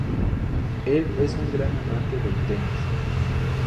Él es un gran amante del tenis.